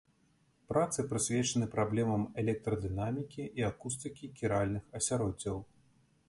Працы прысвечаны праблемам электрадынамікі і акустыкі кіральных асяроддзяў.